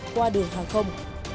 qua đường hàng không